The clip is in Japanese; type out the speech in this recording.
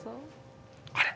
あれ？